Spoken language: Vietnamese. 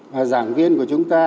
và giảng viên của chúng ta